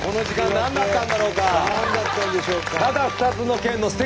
何だったんでしょうか？